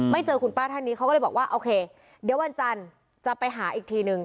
เจอคุณป้าท่านนี้เขาก็เลยบอกว่าโอเคเดี๋ยววันจันทร์จะไปหาอีกทีนึง